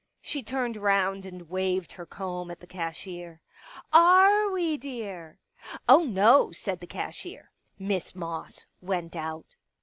She turned round and waved her comb at the cashier. " Are we, dear }"Oh, no," said the cashier. Miss Moss went out.